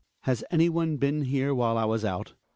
Has anyone been here while I was out?